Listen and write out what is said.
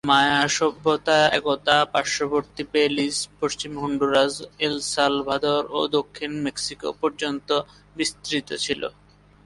মায়া সভ্যতা একদা পার্শ্ববর্তী বেলিজ, পশ্চিম হন্ডুরাস, এল সালভাদর, ও দক্ষিণ মেক্সিকো পর্যন্ত বিস্তৃত ছিল।